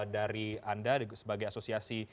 dari anda sebagai asosiasi